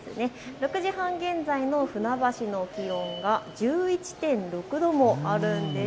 ６時半現在の船橋の気温が１１．６度もあるんです。